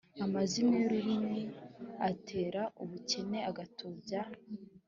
amazimwe y’ururimi atera ubukene agatubya